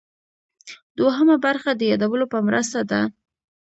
دوهمه برخه د یادولو په مرسته ده.